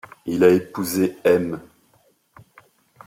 Il a épousé m.